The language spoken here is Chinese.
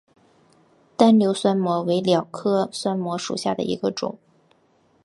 单瘤酸模为蓼科酸模属下的一个种。